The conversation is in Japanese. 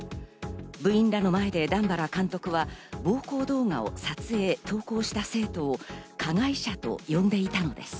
部員の前で段原監督は暴行動画を撮影・投稿した生徒を加害者と呼んでいたのです。